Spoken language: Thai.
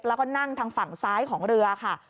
แล้วก็นั่งทางฝั่งซ้ายของเรือค่ะ